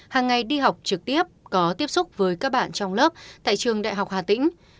hàng ngày đi học trực tiếp có tiếp xúc với các bạn trong lớp tại trường đại học hà tĩnh